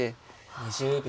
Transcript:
２０秒。